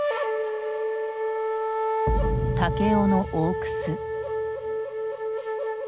武雄の大楠。